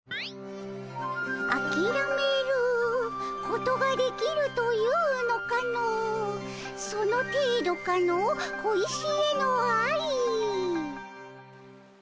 「あきらめることができるというのかのその程度かの小石への愛」。